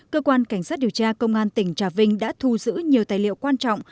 cơ quan cảnh sát điều tra công an tỉnh trà vinh đã thu giữ nhiều tài liệu quan trọng